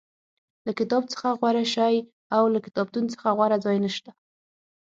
له کتاب څخه غوره شی او له کتابتون څخه غوره ځای نشته.